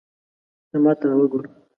ته ماته را وګوره